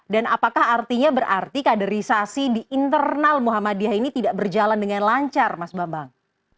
dan apakah artinya berarti kadarisasi di internal muhammadiyah ini tidak berjalan dengan lancar mas bambang